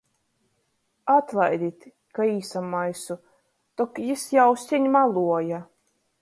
Atlaidit, ka īsamaisu, tok jis jau seņ maluoja.